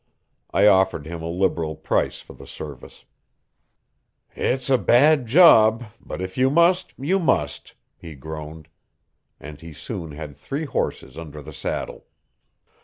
I offered him a liberal price for the service. "It's a bad job, but if you must, you must," he groaned. And he soon had three horses under the saddle.